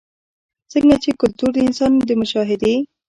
ځکه چې کلتور د انسان د مشاهدې